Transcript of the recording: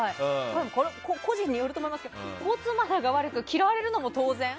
個人によると思いますけど交通マナーが悪く嫌われるのも当然。